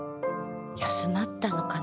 休まったのかな？